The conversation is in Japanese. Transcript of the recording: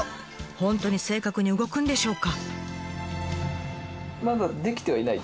本当に正確に動くんでしょうか？